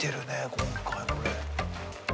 今回これ。